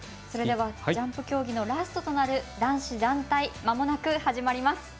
それでは、ジャンプ競技のラストとなる男子団体、まもなく始まります。